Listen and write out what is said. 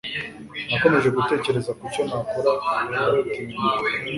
nakomeje gutekereza kucyo nakora biratinga